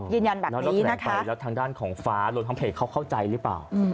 ยินยันแบบนี้นะคะอ๋อนั่นเราแสดงไปแล้วทางด้านของฟ้าโดนทางเพจเขาเข้าใจหรือเปล่า